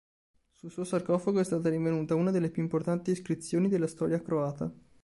Sul suo sarcofago è stata rinvenuta una delle più importanti iscrizioni della storia croata.